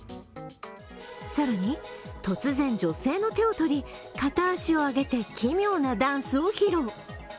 更に、突然女性の手を取り、片足を上げて奇妙なダンスを披露。